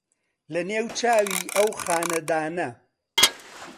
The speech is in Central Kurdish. لە نێو چاوی ئەو خانەدانە